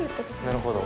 なるほど。